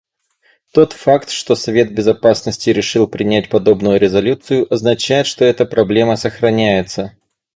Тот факт, что Совет Безопасности решил принять подобную резолюцию, означает, что эта проблема сохраняется.